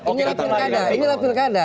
ini lah ini lah pilkada